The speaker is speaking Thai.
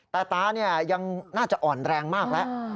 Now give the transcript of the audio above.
แต่ตายังน่าจะอ่อนแรงมากแล้ว